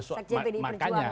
sekj pdi perjuangan